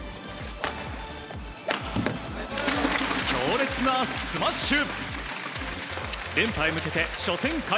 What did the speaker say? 強烈なスマッシュ！